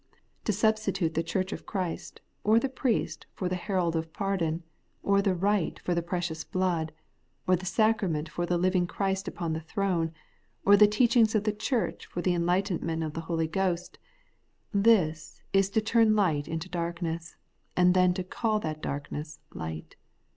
To substitute the church for Christ, or the priest for the herald of pardon, or the rite for the precious blood, or the sacrament for the living Christ upon the throne, or the teachings of. the church for the enlightenment of the Holy Ghost, — this is to turn light into dark ness, and then to call that darkness light.